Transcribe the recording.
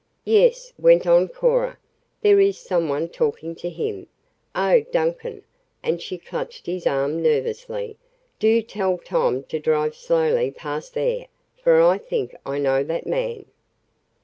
"Yes," went on Cora, "there is some one talking to him. Oh, Duncan," and she clutched his arm nervously, "do tell Tom to drive slowly past there, for I think I know that man."